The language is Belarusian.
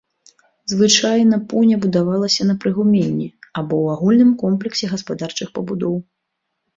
Звычайна пуня будавалася на прыгуменні, або ў агульным комплексе гаспадарчых пабудоў.